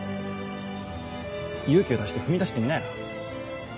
勇気を出して踏み出してみなよ。